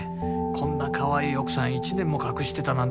こんなかわいい奥さん１年も隠してたなんて